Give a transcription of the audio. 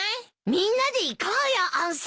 みんなで行こうよ温泉！